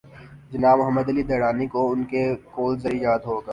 جناب محمد علی درانی کوان کا قول زریں یاد ہو گا۔